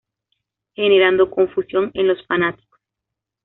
Generando confusión en los fanáticos.